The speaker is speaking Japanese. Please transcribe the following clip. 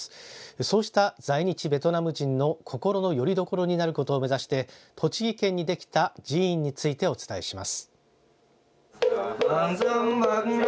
そうした在日ベトナム人の心のよりどころになることを目指して栃木県にできた寺院についてお伝えします。